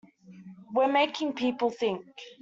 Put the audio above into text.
We're making people think.